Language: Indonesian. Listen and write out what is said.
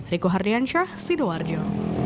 riku hardiansyah sidoarjo